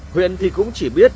huyện thì cũng chỉ biết